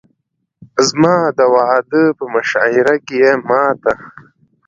زما د واده په مشاعره کښې يې ما ته